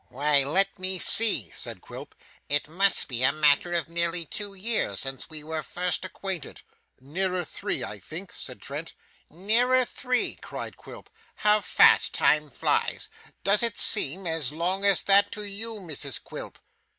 'Why, let me see,' said Quilp. 'It must be a matter of nearly two years since we were first acquainted.' 'Nearer three, I think,' said Trent. 'Nearer three!' cried Quilp. 'How fast time flies. Does it seem as long as that to you, Mrs Quilp?